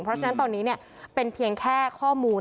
เพราะฉะนั้นตอนนี้เป็นเพียงแค่ข้อมูล